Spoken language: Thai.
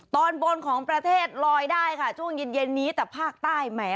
ตอนบนของประเทศลอยได้ค่ะช่วงเย็นเย็นนี้แต่ภาคใต้แหม